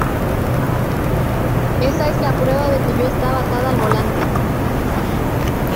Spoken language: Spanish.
Esa es la prueba de que yo estaba atada al volante.